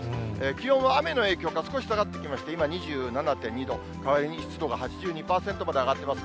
気温は雨の影響か、少し下がってきまして、今２７．２度、代わりに湿度が８２％まで上がってます。